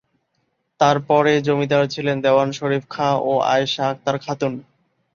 তারপরে জমিদার ছিলেন দেওয়ান শরীফ খা ও আয়শা আক্তার খাতুন।